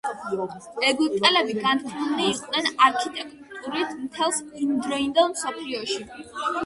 ეგვიპტელები განთქმულნი იყვნენ არქიტექტურით მთელს იმდროინდელ მსოფლიოში.